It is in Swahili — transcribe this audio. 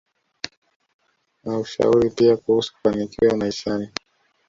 Ana ushauri pia kuhusu kufanikiwa maishani